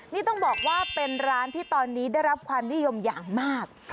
นี่ต้องบอกว่าเป็นร้านที่ตอนนี้ได้รับความนิยมอย่างมาก